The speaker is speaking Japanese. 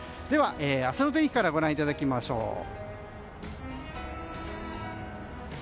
では、明日の天気からご覧いただきましょう。